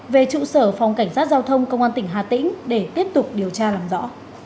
về trụ sở phòng cảnh sát giao thông công an tỉnh hà tĩnh để tiếp tục điều tra làm rõ